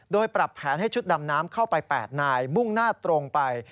โดยปรับแผนให้ชุดดำน้ำเข้าไป๘นายมุ่งหน้าตรงไป